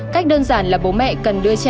cách đơn giản là bố mẹ cần đưa trẻ